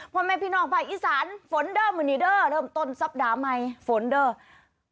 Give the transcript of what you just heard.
พ่อแม่พี่น้องภาคอีสานฝนเด้อมือนี่เด้อเริ่มต้นสัปดาห์ใหม่ฝนเด้อ